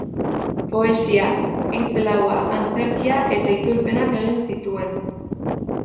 Poesia, hitz laua, antzerkia eta itzulpenak egin zituen.